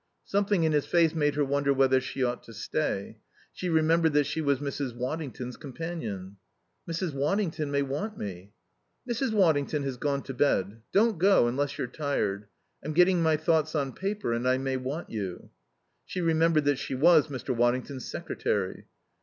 Something in his face made her wonder whether she ought to stay. She remembered that she was Mrs. Waddington's companion. "Mrs. Waddington may want me." "Mrs. Waddington has gone to bed.... Don't go unless you're tired. I'm getting my thoughts on paper and I may want you." She remembered that she was Mr. Waddington's secretary.